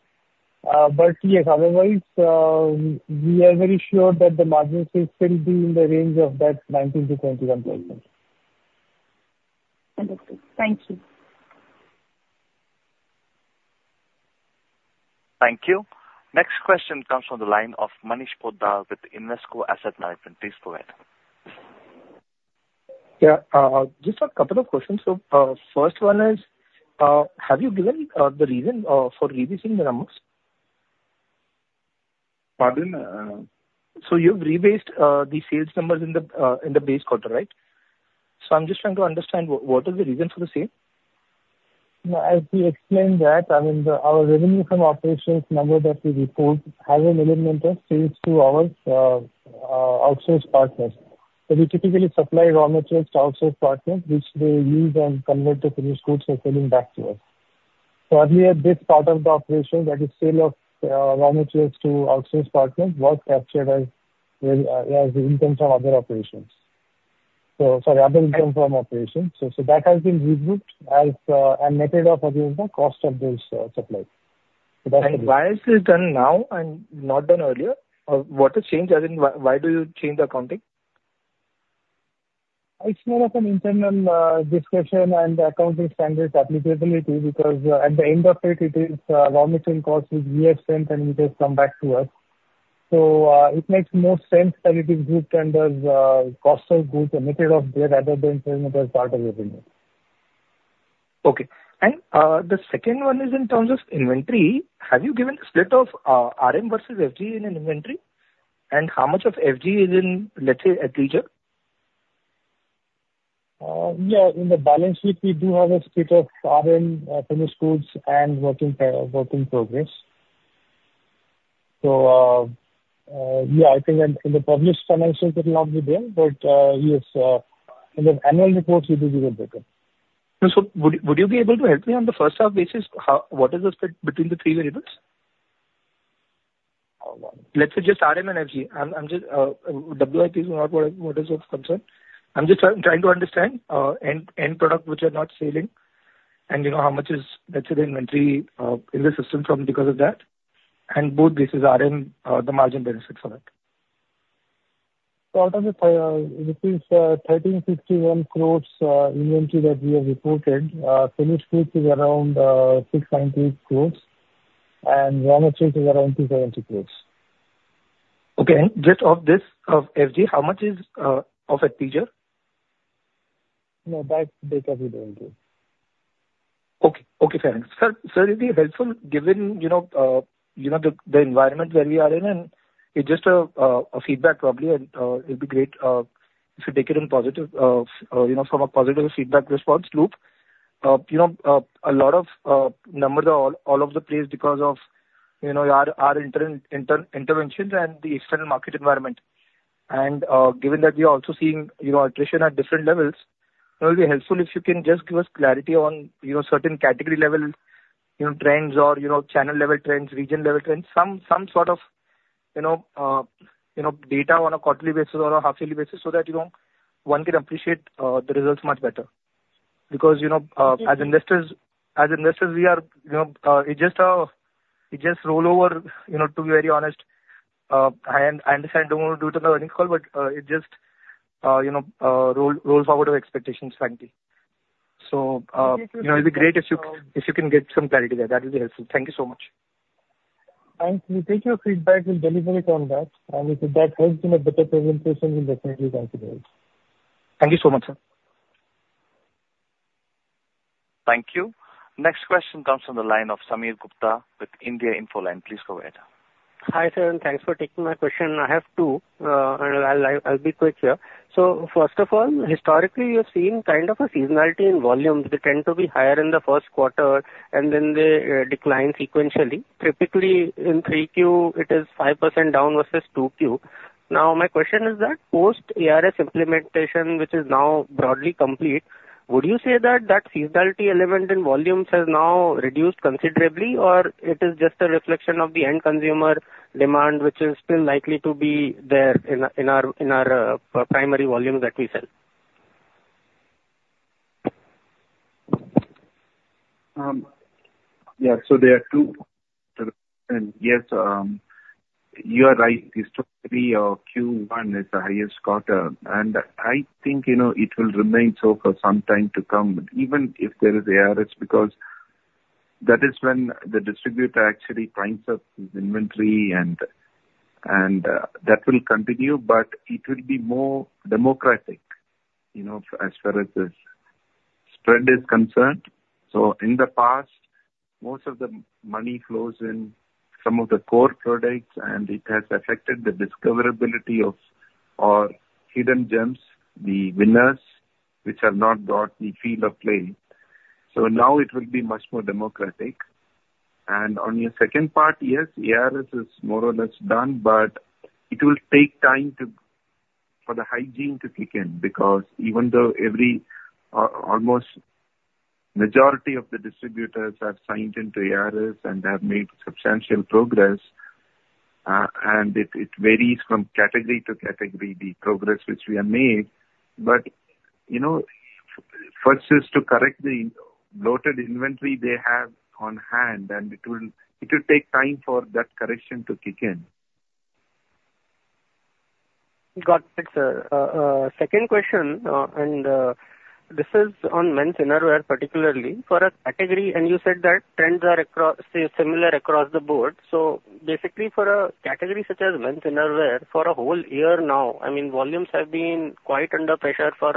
But yes, otherwise, we are very sure that the margins will still be in the range of that 19%-21%. Understood. Thank you. Thank you. Next question comes from the line of Manish Poddar with Invesco Asset Management. Please go ahead. Yeah, just a couple of questions. So, first one is, have you given the reason for reissuing the numbers? Poddar? Uh... So you've rebased, the sales numbers in the, in the base quarter, right? So I'm just trying to understand what, what is the reason for the same? As we explained that, I mean, the our revenue from operations number that we report has an element of sales to our outsource partners. So we typically supply raw materials to outsource partners, which they use and convert to finished goods and selling back to us. So earlier, this part of the operation, that is sale of raw materials to outsource partners, was captured as, as in terms of other operations. So, sorry, other income from operations. So, so that has been regrouped as, and method of, you know, cost of those supplies. Why is this done now and not done earlier? What has changed? As in, why do you change the accounting? It's more of an internal discussion and accounting standards applicability, because at the end of it, it is raw material costs which we have sent and it has come back to us. So, it makes more sense that it is grouped under cost of goods and netted off, rather than saying it as part of the revenue. Okay. And, the second one is in terms of inventory. Have you given a split of, RM versus FG in an inventory? And how much of FG is in, let's say, athleisure? Yeah, in the balance sheet, we do have a split of RM, finished goods and work in progress. So, yeah, I think in the published financials it will not be there, but yes, in the annual reports it will be there. Would you be able to help me on the first half basis, how, what is the split between the three variables? Uh... Let's say just RM and FG. I'm just WIP is not what is of concern. I'm just trying to understand end products which are not selling, and you know, how much is, let's say, the inventory in the system from because of that, and both basis RM the margin benefits of it. So, out of the inventory that we have reported, it is INR 1,361 crores. Finished goods is around 670 crores, and raw materials is around 270 crores. Okay. And just of this, of FG, how much is of Athleisure?... No, that's data we don't do. Okay. Okay, fair enough. Sir, sir, it'd be helpful, given, you know, you know, the environment where we are in, and it's just a feedback probably, and it'd be great if you take it in positive, you know, from a positive feedback response loop. You know, a lot of numbers are all over the place because of, you know, our interventions and the external market environment. And, given that we are also seeing, you know, attrition at different levels, it will be helpful if you can just give us clarity on, you know, certain category level, you know, trends or, you know, channel level trends, region level trends, some sort of, you know, data on a quarterly basis or a half yearly basis so that, you know, one can appreciate the results much better. Because, you know, as investors, as investors, we are, you know, it just, it just roll over, you know, to be very honest, and I understand don't want to do it on the earnings call, but, it just, you know, roll, rolls forward our expectations, frankly. So, you know, it'd be great if you, if you can get some clarity there, that will be helpful. Thank you so much. Thank you. We take your feedback, we'll deliver on that, and if that helps in a better presentation, we'll definitely consider it. Thank you so much, sir. Thank you. Next question comes from the line of Sameer Gupta with India Infoline. Please go ahead. Hi, sir, and thanks for taking my question. I have two, and I'll be quick here. So first of all, historically, you've seen kind of a seasonality in volumes. They tend to be higher in the first quarter, and then they decline sequentially. Typically, in Q3, it is 5% down versus Q2. Now, my question is that post-ARS implementation, which is now broadly complete, would you say that that seasonality element in volumes has now reduced considerably, or it is just a reflection of the end consumer demand, which is still likely to be there in our primary volumes that we sell? Yeah, so there are two... And yes, you are right, historically, Q1 is the highest quarter, and I think, you know, it will remain so for some time to come, even if there is ARS, because that is when the distributor actually cleans up his inventory and that will continue, but it will be more democratic, you know, as far as the spread is concerned. So in the past, most of the money flows in some of the core products, and it has affected the discoverability of our hidden gems, the winners, which have not got the field of play. So now it will be much more democratic. And on your second part, yes, ARS is more or less done, but it will take time to... For the hygiene to kick in, because even though almost majority of the distributors have signed into ARS and have made substantial progress, and it varies from category to category, the progress which we have made. But, you know, first is to correct the bloated inventory they have on hand, and it will take time for that correction to kick in. Got it, sir. Second question, and this is on men's innerwear, particularly. For a category, and you said that trends are across, similar across the board. So basically, for a category such as men's innerwear, for a whole year now, I mean, volumes have been quite under pressure for,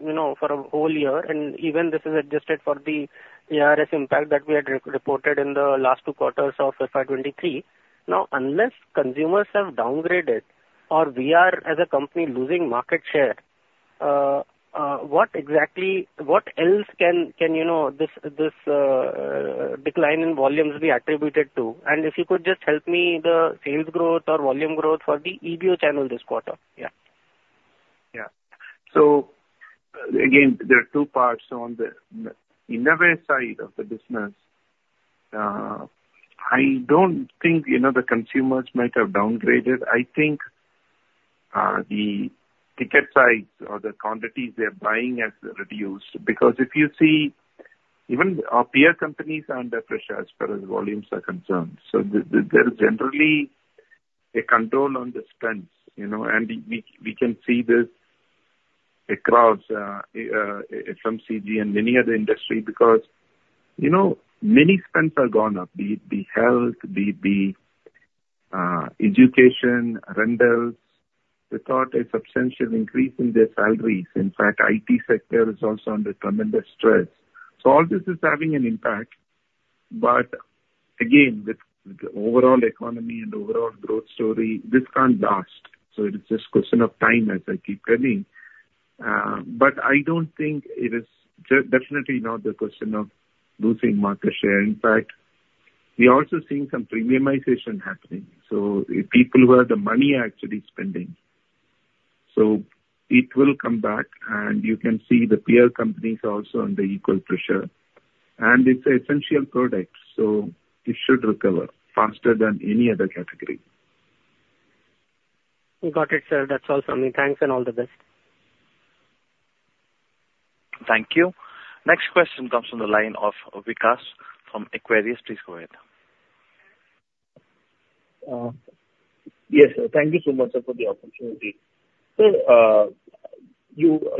you know, for a whole year, and even this is adjusted for the ARS impact that we had re-reported in the last two quarters of FY 2023. Now, unless consumers have downgraded or we are, as a company, losing market share, what exactly—what else can, you know, this decline in volumes be attributed to? And if you could just help me, the sales growth or volume growth for the EBO channel this quarter? Yeah. Yeah. So again, there are two parts on the innerwear side of the business. I don't think, you know, the consumers might have downgraded. I think the ticket size or the quantities they're buying has reduced. Because if you see, even our peer companies are under pressure as far as volumes are concerned. So there is generally a control on the spends, you know, and we can see this across FMCG and many other industry because, you know, many spends are gone up, the health, the education, rentals. We got a substantial increase in their salaries. In fact, IT sector is also under tremendous stress. So all this is having an impact. But again, with the overall economy and overall growth story, this can't last. So it is just question of time, as I keep telling. But I don't think it is definitely not the question of losing market share. In fact, we are also seeing some premiumization happening. So people who have the money are actually spending. So it will come back, and you can see the peer companies are also under equal pressure. And it's an essential product, so it should recover faster than any other category. Got it, sir. That's all from me. Thanks and all the best. Thank you. Next question comes from the line of Vikas from Equirus. Please go ahead. Yes, sir. Thank you so much, sir, for the opportunity. So,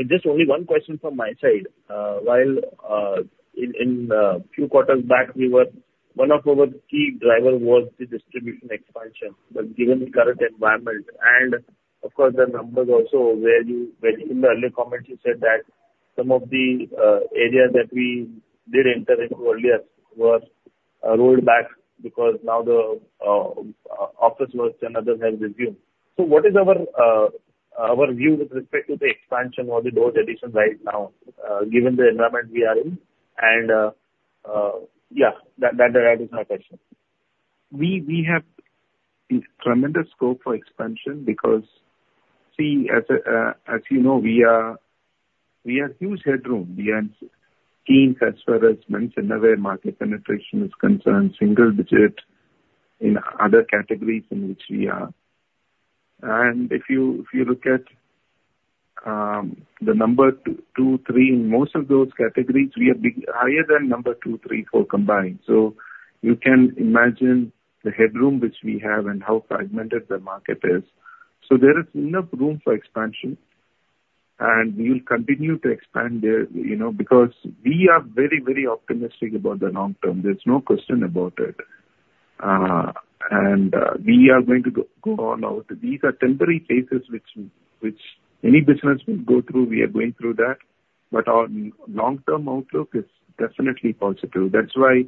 just only one question from my side. While in few quarters back, one of our key driver was the distribution expansion. But given the current environment, and of course, the numbers also, where in the earlier comments you said that some of the areas that we did enter into earlier were rolled back, because now the office works and others have resumed. So what is our view with respect to the expansion or the door addition right now, given the environment we are in? Yeah, that is my question. We have a tremendous scope for expansion, because, see, as you know, we have huge headroom. We are keen as far as, as mentioned, our market penetration is concerned, single-digit in other categories in which we are. And if you look at the number 2, 3, in most of those categories, we are bigger than number 2, 3, 4 combined. So you can imagine the headroom which we have and how fragmented the market is. So there is enough room for expansion, and we will continue to expand there, you know, because we are very, very optimistic about the long term. There's no question about it. And we are going to go all out. These are temporary phases which any business will go through. We are going through that, but our long-term outlook is definitely positive. That's why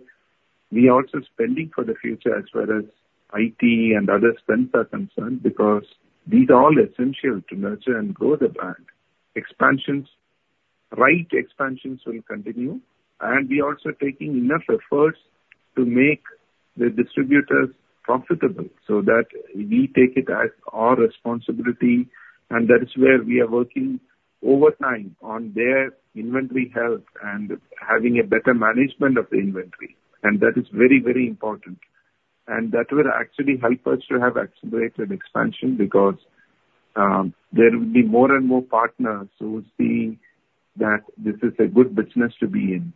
we are also spending for the future as well as IT and other spends are concerned, because these are all essential to nurture and grow the bank. Expansions, right expansions will continue, and we are also taking enough efforts to make the distributors profitable so that we take it as our responsibility, and that is where we are working overtime on their inventory health and having a better management of the inventory. And that is very, very important. And that will actually help us to have accelerated expansion, because there will be more and more partners who see that this is a good business to be in.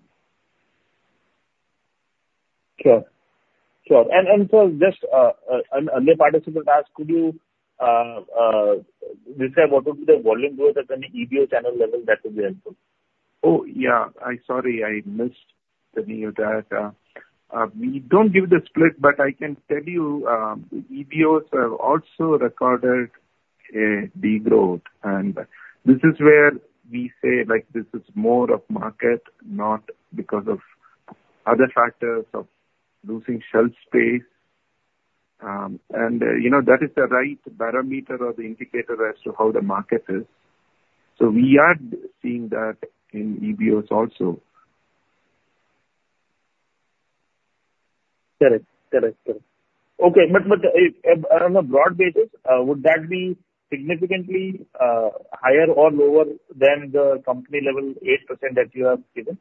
Sure, sure. And so just an earlier participant asked: could you describe what would be the volume growth at an EBO channel level? That would be helpful. Oh, yeah. I'm sorry I missed telling you that. We don't give the split, but I can tell you, EBOs have also recorded a degrowth, and this is where we say, like, this is more of market, not because of other factors of losing shelf space. And, you know, that is the right parameter or the indicator as to how the market is. So we are seeing that in EBOs also. Correct. Correct, correct. Okay, but, but, on a broad basis, would that be significantly higher or lower than the company level, 8% that you have given?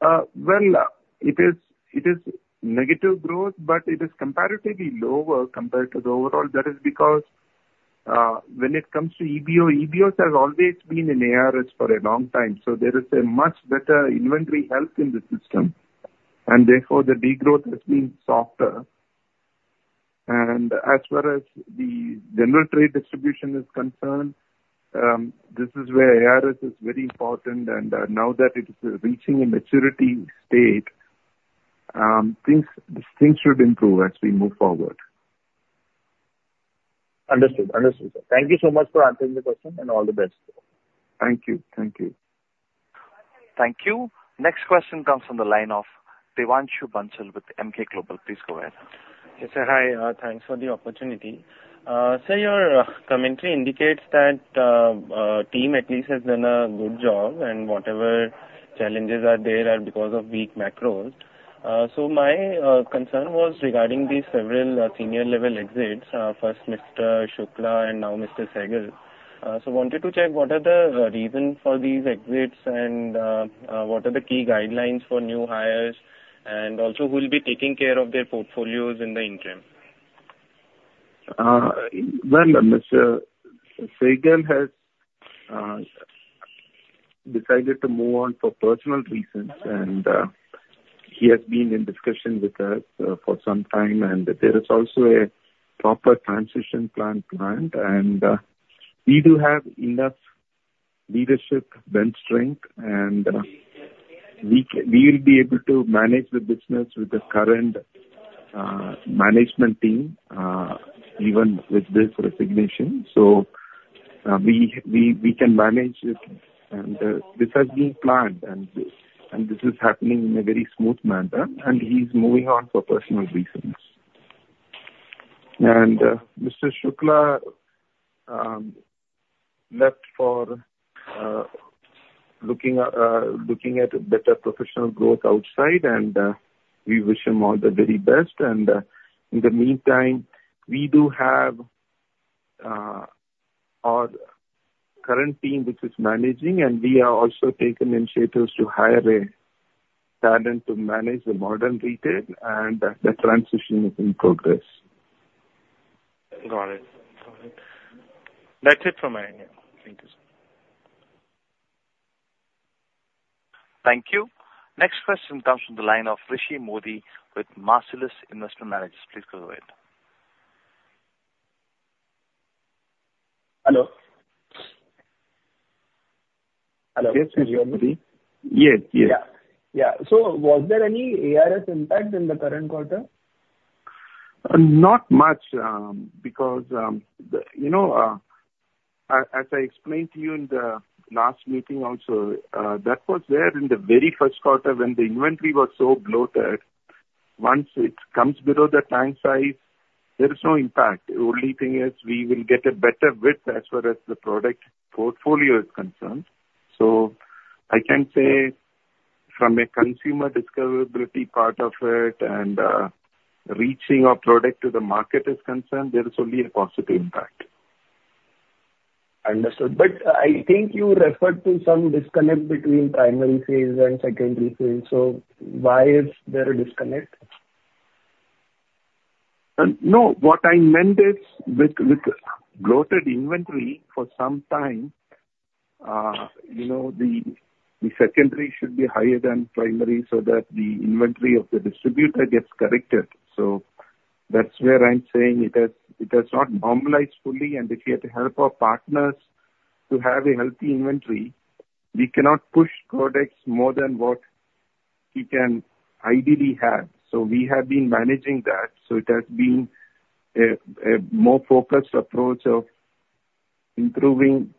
Well, it is, it is negative growth, but it is comparatively lower compared to the overall. That is because, when it comes to EBO, EBOs has always been in ARS for a long time, so there is a much better inventory health in the system, and therefore, the degrowth has been softer. As far as the general trade distribution is concerned, this is where ARS is very important, and, now that it is reaching a maturity state, things, things should improve as we move forward. Understood. Understood, sir. Thank you so much for answering the question, and all the best. Thank you. Thank you. Thank you. Next question comes from the line of Devanshu Bansal with Emkay Global. Please go ahead. Yes, sir. Hi. Thanks for the opportunity. Sir, your commentary indicates that the team at least has done a good job, and whatever challenges are there are because of weak macros. So my concern was regarding the several senior level exits. First Mr. Shukla and now Mr. Sahgal. So wanted to check what are the reasons for these exits, and what are the key guidelines for new hires, and also who will be taking care of their portfolios in the interim? Well, Mr. Sahgal has decided to move on for personal reasons, and he has been in discussion with us for some time, and there is also a proper transition plan planned, and we do have enough leadership bench strength, and we will be able to manage the business with the current management team even with this resignation. So, we can manage it. And this has been planned, and this is happening in a very smooth manner, and he's moving on for personal reasons. And Mr. Shukla left for looking at a better professional growth outside, and we wish him all the very best. In the meantime, we do have our current team, which is managing, and we are also taking initiatives to hire a talent to manage the modern retail, and the transition is in progress. Got it. Got it. That's it from my end. Thank you, sir. Thank you. Next question comes from the line of Rishi Mody with Marcellus Investment Managers. Please go ahead.... Hello? Hello, can you hear me? Yes, yes. Yeah, yeah. So was there any ARS impact in the current quarter? Not much, because, you know, as I explained to you in the last meeting also, that was there in the very first quarter when the inventory was so bloated. Once it comes below the tank size, there is no impact. The only thing is, we will get a better width as far as the product portfolio is concerned. So I can say from a consumer discoverability part of it and, reaching our product to the market is concerned, there is only a positive impact. Understood. But I think you referred to some disconnect between primary sales and secondary sales, so why is there a disconnect? No, what I meant is, with bloated inventory for some time, you know, the secondary should be higher than primary so that the inventory of the distributor gets corrected. So that's where I'm saying it has not normalized fully, and we get the help of partners to have a healthy inventory. We cannot push products more than what we can ideally have, so we have been managing that. So it has been a more focused approach of improving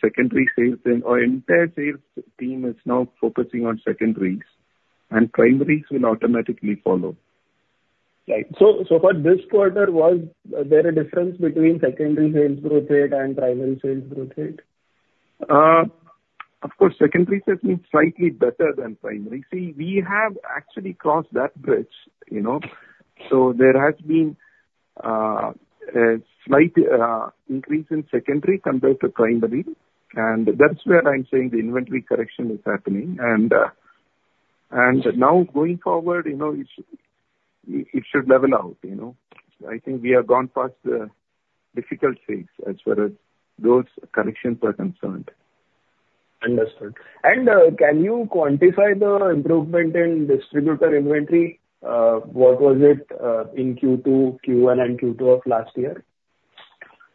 secondary sales, you know, and our entire sales team is now focusing on secondaries, and primaries will automatically follow. Right. So, for this quarter, was there a difference between secondary sales growth rate and primary sales growth rate? Of course, secondary certainly is slightly better than primary. See, we have actually crossed that bridge, you know, so there has been a slight increase in secondary compared to primary, and that's where I'm saying the inventory correction is happening. And, and now going forward, you know, it should level out, you know? I think we have gone past the difficult phase as far as those corrections are concerned. Understood. Can you quantify the improvement in distributor inventory? What was it in Q2, Q1, and Q2 of last year?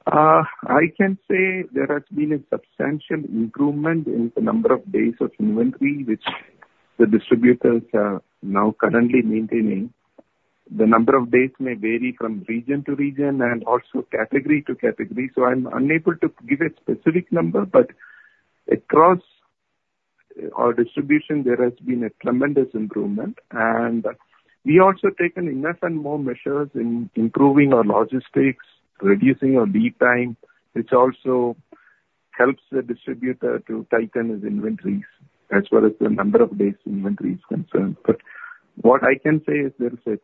I can say there has been a substantial improvement in the number of days of inventory, which the distributors are now currently maintaining. The number of days may vary from region to region and also category to category, so I'm unable to give a specific number. But across our distribution, there has been a tremendous improvement, and we also taken enough and more measures in improving our logistics, reducing our lead time, which also helps the distributor to tighten his inventories as far as the number of days inventory is concerned. But what I can say is there is a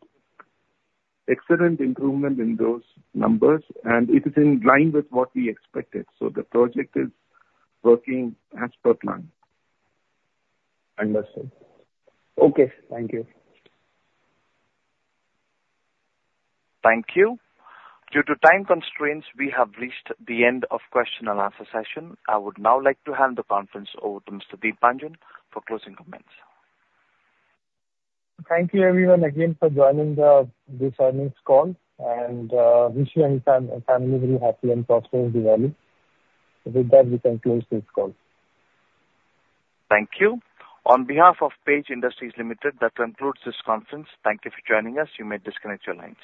excellent improvement in those numbers, and it is in line with what we expected, so the project is working as per plan. Understood. Okay, thank you. Thank you. Due to time constraints, we have reached the end of question and answer session. I would now like to hand the conference over to Mr. Deepanjan Bandyopadhyay for closing comments. Thank you everyone again for joining this earnings call, and wish you and your family very happy and prosperous Diwali. With that, we can close this call. Thank you. On behalf of Page Industries Limited, that concludes this conference. Thank you for joining us. You may disconnect your lines.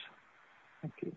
Thank you.